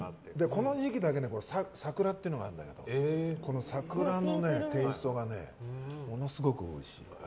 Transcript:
この時期だけさくらっていうのがあってこのさくらのテイストがものすごくおいしい。